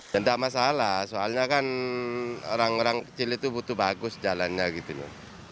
ya tidak masalah soalnya kan orang orang kecil itu butuh bagus jalannya gitu loh